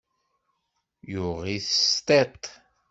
Yuɣ-it s tiṭ.